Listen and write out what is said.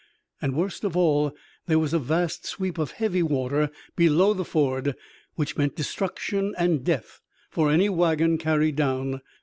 And worst of all, there was a vast sweep of heavy water below the ford, which meant destruction and death for any wagon carried down.